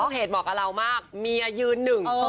เพจบอกลาเรามากเมียยืนหนึ่ง